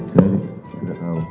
saya tidak tahu